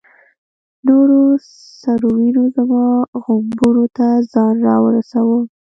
نورو سرو وینو زما غومبورو ته ځان را ورساوه.